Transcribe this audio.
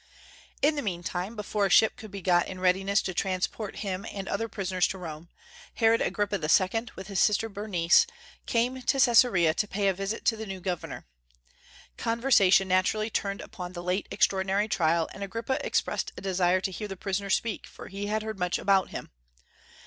In the meantime, before a ship could be got in readiness to transport him and other prisoners to Rome, Herod Agrippa II., with his sister Bernice, came to Caesarea to pay a visit to the new governor. Conversation naturally turned upon the late extraordinary trial, and Agrippa expressed a desire to hear the prisoner speak, for he had heard much about him.